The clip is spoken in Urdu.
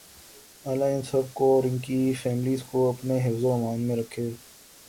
لله ان سب کو اور انکی فیملیز کو اپنے حفظ و امان میں رکھے